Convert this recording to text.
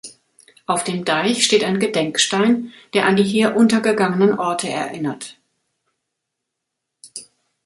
Auf dem Deich steht ein Gedenkstein, der an die hier untergegangenen Orte erinnert.